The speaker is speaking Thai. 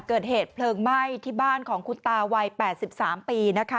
เกิดเหตุเพลิงไหม้ที่บ้านของคุณตาวัย๘๓ปีนะคะ